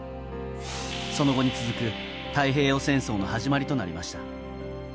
その後に続く太平洋戦争の始まりとなりました。